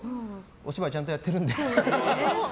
お芝居ちゃんとやってるんで。